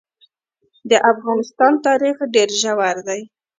د افغانستان تاریخ ډېر ژور دی.